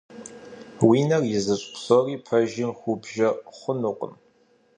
Уи нэр изыщӀ псори пэжым хыубжэ хъунукъым.